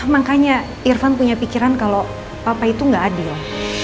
makanya irfan punya pikiran kalo papa itu gak adil